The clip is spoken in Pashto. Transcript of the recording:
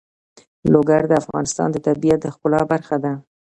لوگر د افغانستان د طبیعت د ښکلا برخه ده.